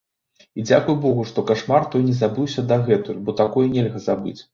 І дзякуй богу, што кашмар той не забыўся дагэтуль, бо такое нельга забыць.